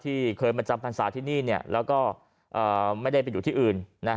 เคยมาจำพรรษาที่นี่แล้วก็ไม่ได้ไปอยู่ที่อื่น